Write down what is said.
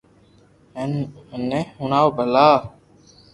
ھين مني ھڻاو ڀلا